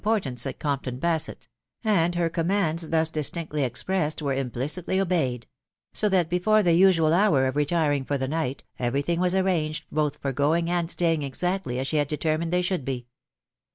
ortance at Compton Basett; and her commands, ^0/y? t|j,,lc^y expressed, were implicitly obeyed; so that ^e^.1*^ usual hour of retiring for the night, every thing *e CJr>^ , both for going and staying exactly as she had ^f *" tb*y should be.